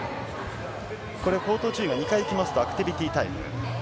口頭注意が２回来ますとアクティビティタイム。